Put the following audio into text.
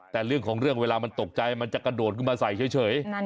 แต่เรื่องของเรื่องเวลามันตกใจมันจะกระโดดขึ้นมาใส่เฉย